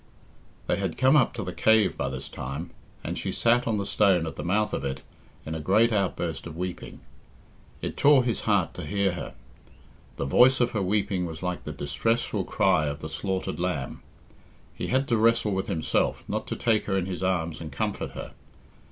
They had come up to the cave by this time, and she sat on the stone at the mouth of it in a great outburst of weeping. It tore his heart to hear her. The voice of her weeping was like the distressful cry of the slaughtered lamb. He had to wrestle with himself not to take her in his arms and comfort her.